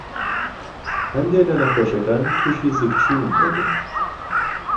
هەندێ لە نەخۆشەکان تووشى زگچوون دەبن.